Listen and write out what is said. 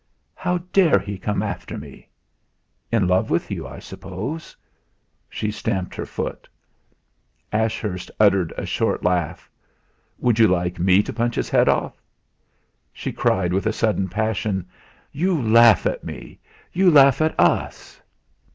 "How dare he come after me?" "In love with you, I suppose." She stamped her foot. Ashurst uttered a short laugh. "Would you like me to punch his head?" She cried with sudden passion: "You laugh at me you laugh at us!"